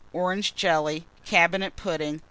Orange Jelly. Cabinet Pudding.